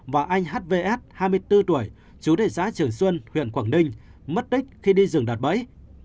và anh hvs hai mươi bốn tuổi chú đề xã trường xuân huyện quảng ninh mất tích khi đi rừng đạt bẫy